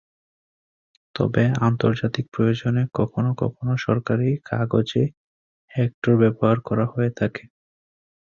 তবে আন্তর্জাতিক প্রয়োজনে কখনো কখনো সরকারী কাগজে হেক্টর ব্যবহার করা হয়ে থাকে।